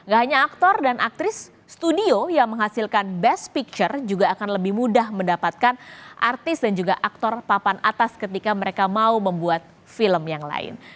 gak hanya aktor dan aktris studio yang menghasilkan best picture juga akan lebih mudah mendapatkan artis dan juga aktor papan atas ketika mereka mau membuat film yang lain